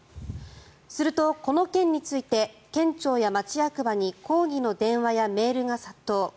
すると、この件について県庁や町役場に抗議の電話やメールが殺到。